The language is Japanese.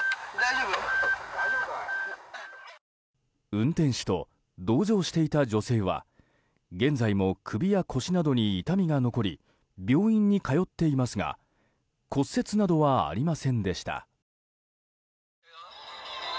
運転手と、同乗していた女性は現在も首や腰などに痛みが残り病院に通っていますが骨折などはありませんでした。